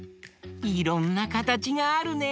いろんなかたちがあるね！